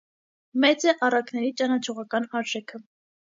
Մեծ է առակների ճանաչողական արժեքը։